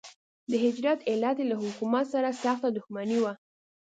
د هجرت علت یې له حکومت سره سخته دښمني وه.